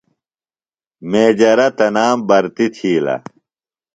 میجرہ تنام برتیۡ تِھیلہ۔